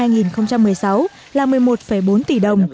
nguồn nước sinh hoạt là một mươi một bốn tỷ đồng